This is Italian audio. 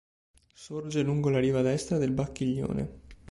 Sorge lungo la riva destra del Bacchiglione.